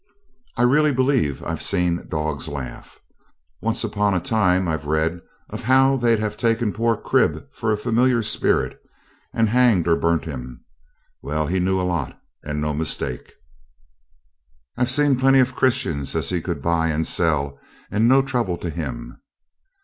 I really believe I've seen dogs laugh. Once upon a time I've read of they'd have taken poor Crib for a familiar spirit, and hanged or burnt him. Well, he knew a lot, and no mistake. I've seen plenty of Christians as he could buy and sell, and no trouble to him.